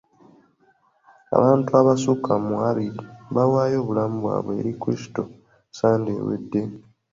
Abantu abasukka mu abiri baawaayo obulamu bwabwe eri Kristo Sande ewedde.